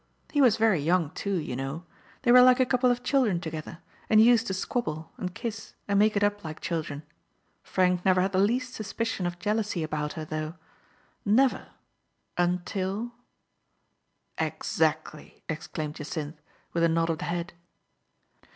He was very young, too, you know. They were like a couple of children together, and used to squabble, and kiss, and make it up like children. Frank never had the least suspicion of jealousy about her, though. Never — until "" Exactly !" exclaimed Jacynth, with a nod of the head.